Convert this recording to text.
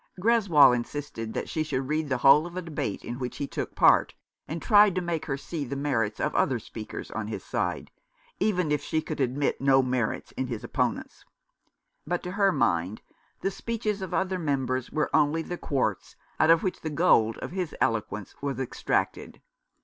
Greswold insisted that she should read the whole of a debate in which he took part, and tried to make her see the merits of other speakers on his side, even if she could admit no merits m his opponents ; but to her mind the speeches of other Members were only the quartz out of which the gold of his eloquence was extracted.